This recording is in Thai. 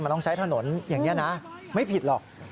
มันต้องใช้ถนนอย่างนี้นะไม่ผิดหรอก